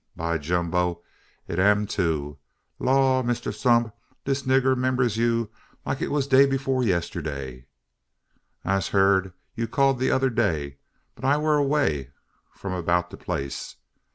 By de jumbo, it am, tho'. Law, Mass 'Tump, dis nigga 'members you like it wa de day afore yesserday. Ise heern you called de odder day; but I war away from 'bout de place.